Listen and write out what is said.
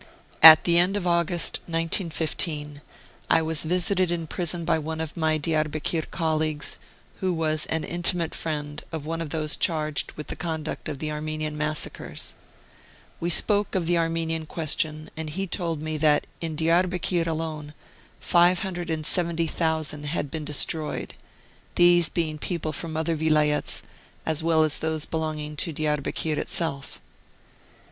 At the end of August, 1915, I was visited in prison by one of my Diarbekir colleagues, who was an intimate friend of one of those charged with the conduct of the Armenian massacres. We spoke of the Armenian question, and he told me that, in Diarbekir alone, 570,000 had been destroyed, these being people from other Vilayets as well as those belonging to Diarbekir itself.